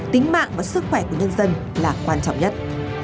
tính mạng và sức khỏe của nhân dân là quan trọng nhất